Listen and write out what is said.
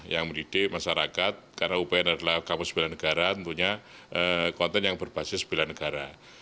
yang mendidik masyarakat karena upn adalah kamu sembilan negara tentunya konten yang berbasis sembilan negara